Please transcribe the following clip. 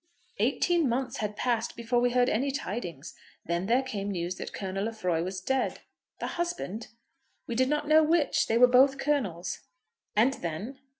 "Eighteen months had passed before we heard any tidings. Then there came news that Colonel Lefroy was dead." "The husband?" "We did not know which. They were both Colonels." "And then?"